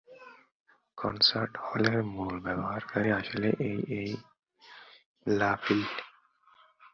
Concert হলের মুল ব্যবহারকারী আসলে এই এই লা ফিল।